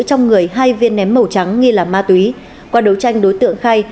trong người hai viên ném màu trắng nghi là ma túy qua đấu tranh đối tượng khai